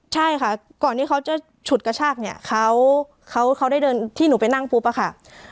ใช่ค่ะก่อนที่เขาจะฉุดกระชากเนี่ยเขาได้เดินที่หนูไปนั่งปุ๊บอะค่ะ